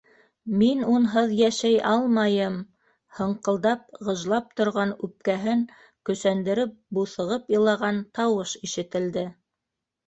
Мин унһыҙ йәшәй алмайым! - һыңҡылдап, ғыжлап торған үпкәһен көсәндереп, буҫығып илаған тауыш ишетелде.